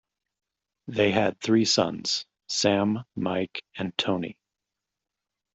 They had three sons, Sam, Mike, and Tony.